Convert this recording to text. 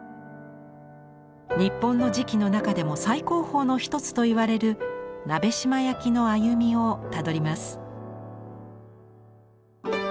日本の磁器の中でも最高峰の一つといわれる鍋島焼の歩みをたどります。